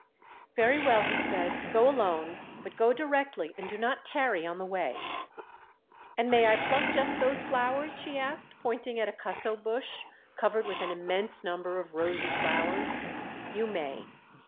"Very well," he said, "go alone, but go directly, and do not tarry on the way." "And may I pluck just those flowers?" she asked, pointing at a cusso bush, covered with an immense number of rosy flowers. "You may."